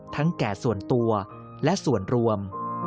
แก่ส่วนตัวและส่วนรวม